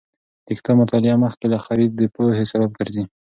د کتاب مطالعه مخکې له خرید د پوهې سبب ګرځي.